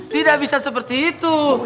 tidak bisa seperti itu